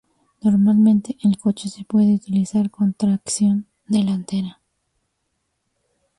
Normalmente, el coche se puede utilizar con tracción delantera.